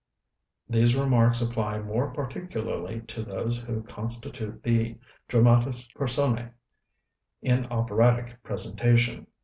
These remarks apply more particularly to those who constitute the dramatis person├" in operatic presentation.